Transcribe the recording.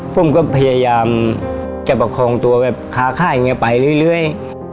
ผมก็พยายามจะประคองตัวค่าไปเรื่อย